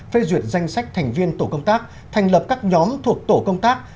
phê duyệt danh sách thành viên tổ công tác thành lập các nhóm thuộc tổ công tác